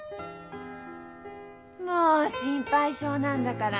もう心配性なんだから。